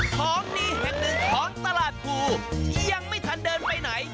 ของดีแห่งหนึ่งของตลาดพลูยังไม่ทันที